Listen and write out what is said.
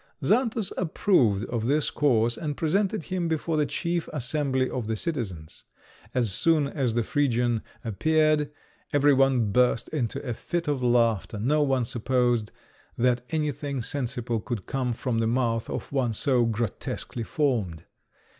Xantus approved of this course, and presented him before the chief assembly of the citizens. As soon as the Phrygian appeared, every one burst into a fit of laughter; no one supposed that anything sensible could come from the mouth of one so grotesquely formed.